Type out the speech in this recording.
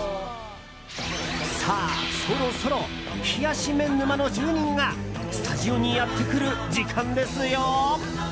さあそろそろ冷やし麺沼の住人がスタジオにやってくる時間ですよ。